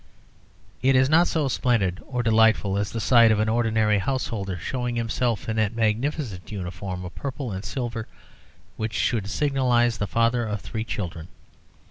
It is not so splendid or delightful as the sight of an ordinary householder showing himself in that magnificent uniform of purple and silver which should signalise the father of three children.